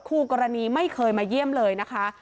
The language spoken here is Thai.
คู่กรณีไม่เคยมาเยี่ยมเลยนะคะ